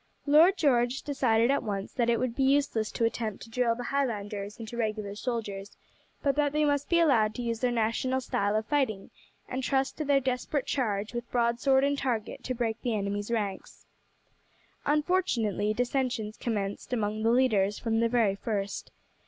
Lord George decided at once that it would be useless to attempt to drill the Highlanders into regular soldiers, but that they must be allowed to use their national style of fighting and trust to their desperate charge with broadsword and target to break the enemy's ranks. Unfortunately dissensions commenced among the leaders from the very first.